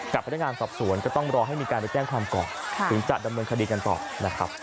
พนักงานสอบสวนก็ต้องรอให้มีการไปแจ้งความก่อนถึงจะดำเนินคดีกันต่อนะครับ